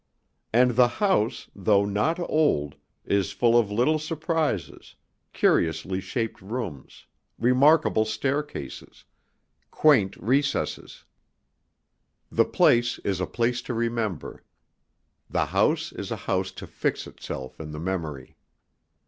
And the house, though not old, is full of little surprises, curiously shaped rooms, remarkable staircases, quaint recesses. The place is a place to remember. The house is a house to fix itself in the memory.